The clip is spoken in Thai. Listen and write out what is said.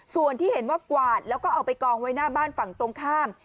ส่วนที่เห็นว่ากวาดแล้วก็เอาไปกองไว้หน้าบ้านฝั่งตรงข้าม